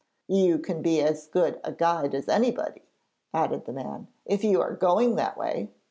'You can be as good a guide as anybody,' added the man, 'if you are going that way.'